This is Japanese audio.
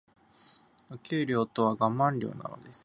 お給料とはガマン料なのです。楽な仕事など、この世にはありません。